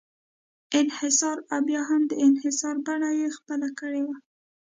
انحصار او بیا هم د انحصار بڼه یې خپله کړې وه.